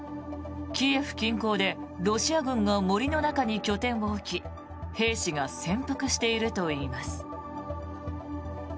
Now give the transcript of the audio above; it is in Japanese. キエフ近郊でロシア軍が森の中に拠点を置き兵士が潜伏しているといいます。